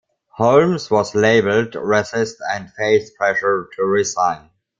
Holmes was labelled racist and faced pressure to resign.